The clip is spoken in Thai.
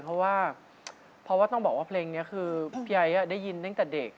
เพราะว่าเพราะว่าต้องบอกว่าเพลงนี้คือพี่ไอ้ได้ยินตั้งแต่เด็ก